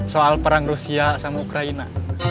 soal perang rusia sama ukraina